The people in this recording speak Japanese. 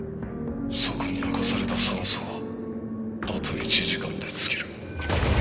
そこに残された酸素はあと１時間で尽きる。